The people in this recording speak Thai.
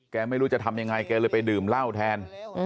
ไม่รู้จะทำยังไงแกเลยไปดื่มเหล้าแทน